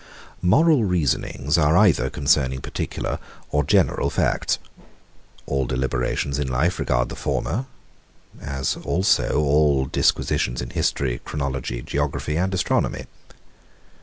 Moral reasonings are either concerning particular or general facts. All deliberations in life regard the former; as also all disquisitions in history, chronology, geography, and astronomy.